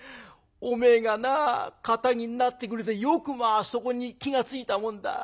おめえがな堅気になってくれてよくまあそこに気が付いたもんだ。